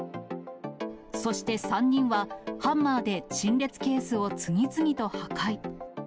そして３人は、ハンマーで陳列ケースを次々と破壊。